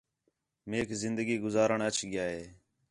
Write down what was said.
میک زندگی گُزارݨ اَچ ڳِیا ہے